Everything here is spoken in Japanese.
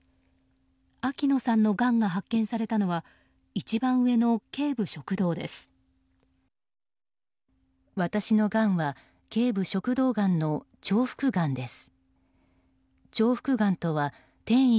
秋野さんのがんが発見されたのは一番上の頸部食道です。